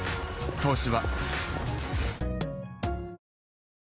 「東芝」